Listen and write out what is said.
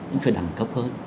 anh phải đẳng cấp hơn